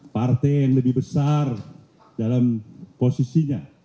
partai yang lebih besar dalam posisinya